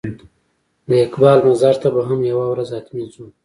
د اقبال مزار ته به هم یوه ورځ حتمي ځو.